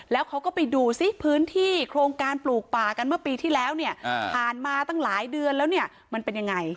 แล้วเขาก็ไปดูซิพื้นที่โครงการปลูกป่ากันเมื่อปีที่แล้วเนี่ยผ่านมาตั้งหลายเดือนแล้วเนี่ยมันเป็นยังไง